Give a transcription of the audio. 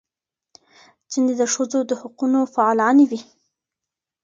ځینې د ښځو د حقونو فعالانې وې.